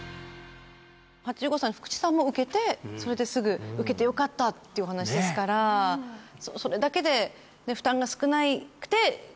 ８５歳の福地さんも受けてそれですぐ受けてよかったっていうお話ですからそれだけでそうですね